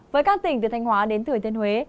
với các tỉnh từ thanh hóa đến thừa thiên huế